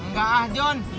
enggak ah john